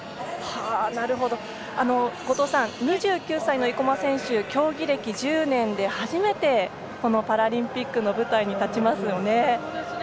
後藤さん、２９歳の生馬選手競技歴１０年で初めてパラリンピックの舞台に立ちますよね。